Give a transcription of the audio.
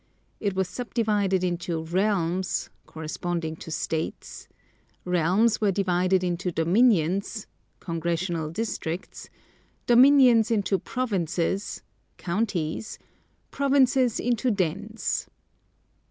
It was subdivided into "realms" (corresponding to states); realms were divided into "dominions" (congressional districts); dominions into "provinces" (counties); provinces into "dens."